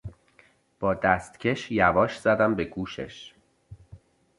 با دستکش یواش زدم به گوشش